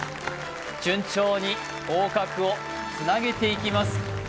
順調に合格をつなげていきます